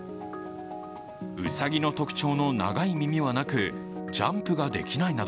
うさぎの特徴の長い耳はなく、ジャンプができないなど、